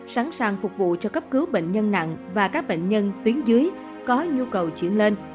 sẵn sàng phục vụ cho cấp cứu bệnh nhân nặng và các bệnh nhân tuyến dưới có nhu cầu chuyển lên